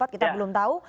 kita belum tahu